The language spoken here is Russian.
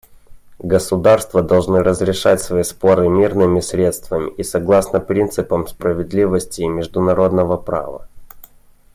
Государства должны разрешать свои споры мирными средствами и согласно принципам справедливости и международного права.